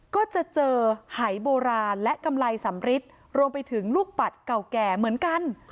ก็จะเจอหายโบราณและกำไรสำริดรวมไปถึงลูกปัดเก่าแก่เหมือนกัน